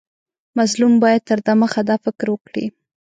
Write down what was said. مظلوم باید تر دمخه دا فکر وکړي.